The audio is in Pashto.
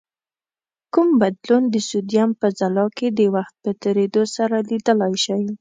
کوم بدلون د سودیم په ځلا کې د وخت په تیرېدو سره لیدلای شئ؟